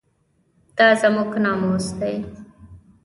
دا زموږ ناموس دی